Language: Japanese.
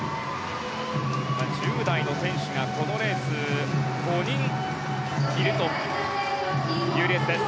１０代の選手がこのレース５人いるというレースです。